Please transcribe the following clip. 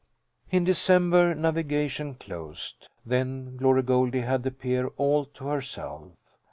In December navigation closed. Then Glory Goldie had the pier all to herself.